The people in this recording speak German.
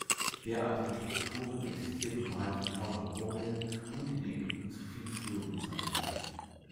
Derartige Strukturen existierten bereits im Vorderen Orient und in Ägypten zu viel früheren Zeiten.